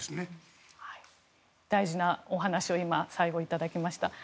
大事なお話を最後、いただきました。